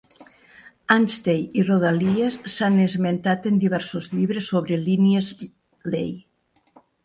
Anstey i rodalies s'han esmentat en diversos llibres sobre línies Ley.